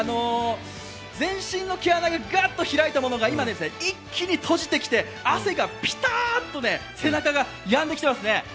全身の毛穴がグッと開いたものが今、一気に閉じてきて汗がぴたっと背中がやんできていますね。